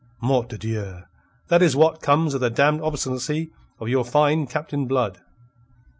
Mort de Dieu! That is what comes of the damned obstinacy of your fine Captain Blood."